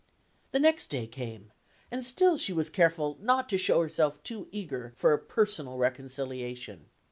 The next day came, and still she was careful not to show herself too eager for a personal reconciliation.